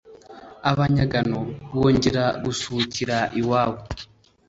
Abanyagano bongera gusuhukira i wabo